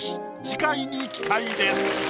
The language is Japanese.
次回に期待です。